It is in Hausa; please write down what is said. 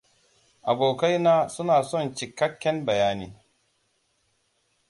Abokaina suna son cikakken bayani.